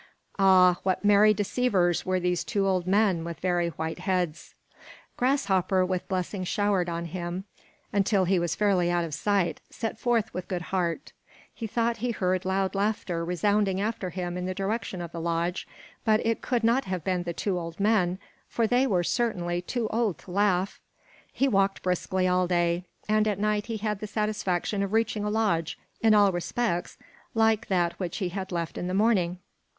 Ah! what merry deceivers were these two old men with very white heads. Grasshopper, with blessings showered on him until he was fairly out of sight, set forth with good heart. He thought he heard loud laughter resounding after him in the direction of the lodge; but it could not have been the two old men, for they were, certainly, too old to laugh. He walked briskly all day, and at night he had the satisfaction of reaching a lodge in all respects like that which he had left in the morning.